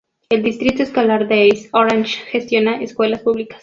El Distrito Escolar de East Orange gestiona escuelas públicas.